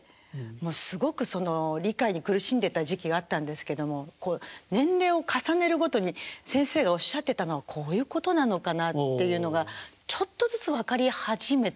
もうすごくその理解に苦しんでた時期があったんですけども年齢を重ねるごとに先生がおっしゃってたのはこういうことなのかなっていうのがちょっとずつ分かり始めてきましたね。